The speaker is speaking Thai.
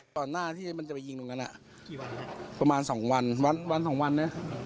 หน้าที่มันจะไปยิงตรงนั้นอ่ะกี่วันประมาณสองวันวันสองวันนะ